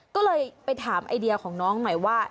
ก็เลยไปถามไอเดียของน้องหน่อยว่า